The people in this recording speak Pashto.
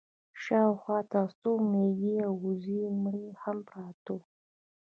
شا و خوا ته د څو مېږو او وزو مړي هم پراته وو.